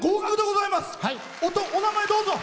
お名前、どうぞ。